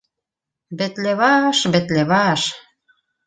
— Бетле баш, бетле баш.